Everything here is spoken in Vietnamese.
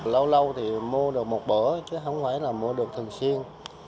lâu lâu thì mua được một bữa chứ không phải là mua được thường xuyên